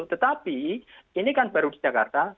tetapi ini kan baru di jakarta